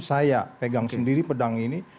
saya pegang sendiri pedang ini